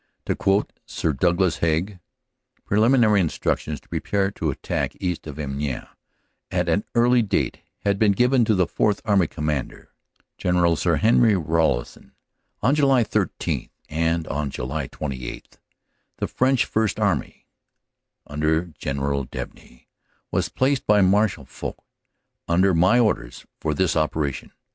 To quote Sir Douglas Haig: "Prelimin ary instructions to prepare to attack east of Amiens at an early date had been given to the Fourth Army Commander, General Sir Henry Rawlinson, on July 13, and on July 28 the French First Army, under General Debeney, was placed by Marshal Foch under my orders for this operation.